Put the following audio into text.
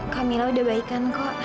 kamila udah baik kan kok